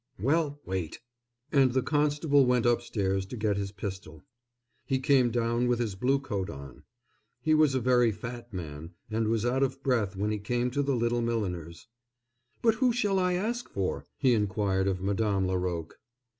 "Well, wait!" And the constable went upstairs to get his pistol. He came down with his blue coat on. He was a very fat man, and was out of breath when he came to the little milliner's. "But who shall I ask for?" he inquired of Madame Laroque.